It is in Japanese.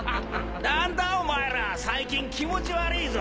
何だお前ら最近気持ち悪いぞ